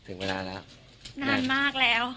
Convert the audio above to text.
นานมากแล้ว